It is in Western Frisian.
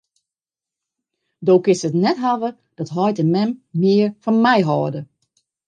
Do kinst it net hawwe dat heit en mem mear fan my hâlde.